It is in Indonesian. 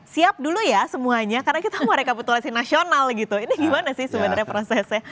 siap dulu ya semuanya karena kita mau rekapitulasi nasional gitu ini gimana sih sebenarnya prosesnya